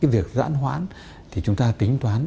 việc giãn hoãn thì chúng ta tính toán